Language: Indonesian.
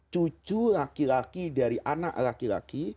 cucu laki laki dari anak laki laki